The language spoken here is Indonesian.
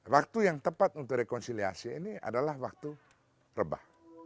waktu yang tepat untuk rekonsiliasi ini adalah waktu rebah